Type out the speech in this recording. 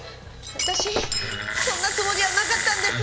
私そんなつもりはなかったんです。